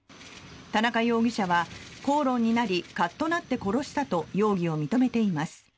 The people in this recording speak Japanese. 田中容疑者は口論になりカッとなって殺したと容疑を認めています。